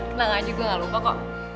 tenang aja gue gak lupa kok